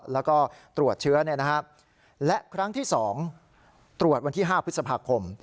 แล้วก็ตรวจเชื้อและครั้งที่๒ตรวจวันที่๕พฤษภาคม